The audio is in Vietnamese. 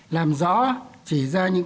làm rõ chỉ ra những